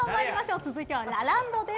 続いてはラランドです。